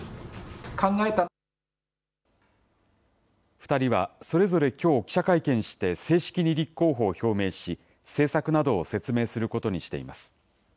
２人はそれぞれきょう、記者会見して正式に立候補を表明し、政策などを説明することにしています。